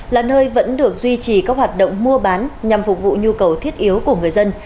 là nơi vẫn được duy trì các hoạt động mua bán nhằm phục vụ nhu cầu thiết yếu của người dân